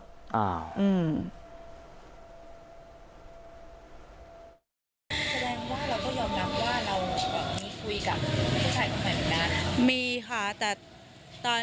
แสดงว่าเราก็ยอมนับว่าเรามีคุยกับผู้ชายของใหม่เหมือนกัน